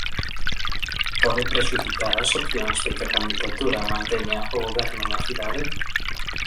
Pode prexudicar as opcións de que a candidatura manteña o goberno na cidade?